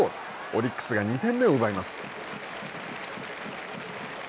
オリックスが２点目を奪います。